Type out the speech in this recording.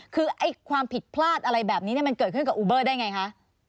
คือไอ้ความผิดพลาดอะไรแบบนี้มันเกิดขึ้นกับอูเบอร์ได้ไงคะ